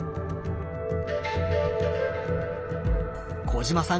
小島さん